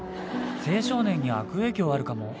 青少年に悪影響あるかも。